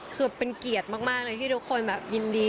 คือเป็นเกียรติมากเลยที่ทุกคนแบบยินดี